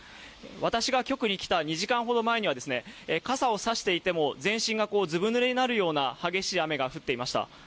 私が局に来た２時間ほど前には傘を差していても全身がこうずぶぬれになるような激しい雨が降っていました。